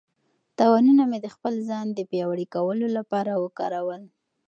تاوانونه مې د خپل ځان د پیاوړي کولو لپاره وکارول.